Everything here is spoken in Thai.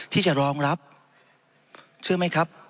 ที่จะรองรับเชื่อไหมครับ